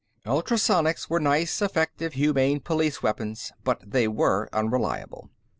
Ultrasonics were nice, effective, humane police weapons, but they were unreliable.